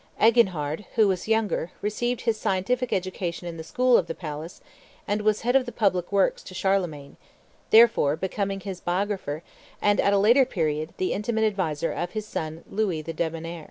Eginhard, who was younger, received his scientific education in the school of the palace, and was head of the public works to Charlemagne, before becoming his biographer, and, at a later period, the intimate adviser of his son Louis the Debonnair.